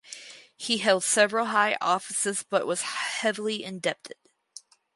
He held several high offices but was heavily indebted.